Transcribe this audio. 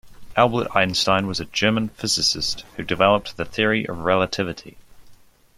Albert Einstein was a German physicist who developed the Theory of Relativity.